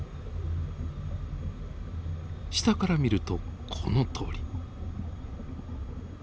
下から見るとこのとおり。